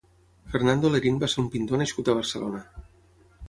Fernando Lerín va ser un pintor nascut a Barcelona.